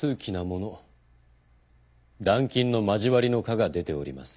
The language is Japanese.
「断琴の交わり」の卦が出ております。